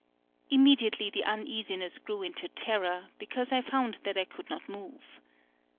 Immediately the uneasiness grew into terror, because I found that I could not move.